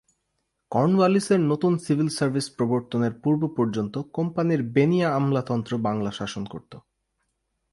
কর্নওয়ালিসের নতুন civil service প্রর্বতনের পূর্ব পর্যন্ত কোম্পানির বেনিয়া আমলাতন্ত্র বাংলা শাসন করত।